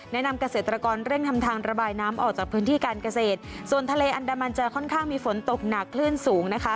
นำเกษตรกรเร่งทำทางระบายน้ำออกจากพื้นที่การเกษตรส่วนทะเลอันดามันจะค่อนข้างมีฝนตกหนักคลื่นสูงนะคะ